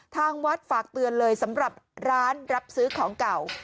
ทางวัดฝากเตือนเลยสำหรับร้านรับซื้อของเก่า